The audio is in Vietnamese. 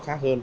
nó khác hơn